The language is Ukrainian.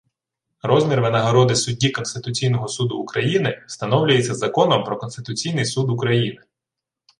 Розмір винагороди судді Конституційного Суду України встановлюється законом про Конституційний Суд України